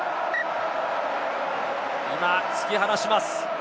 今、突き放します。